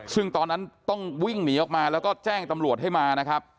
ซึ่งตอนนั้นต้องวิ่งหนีออกมาแล้วก็แจ้งตำรวจให้มานะครับ